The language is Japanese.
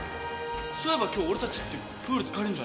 そういえば今日俺たちってプール使えるんじゃないの？